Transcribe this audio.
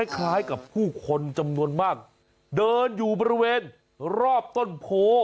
คล้ายกับผู้คนจำนวนมากเดินอยู่บริเวณรอบต้นโพ